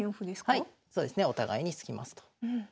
はいそうですね。お互いに突きますと。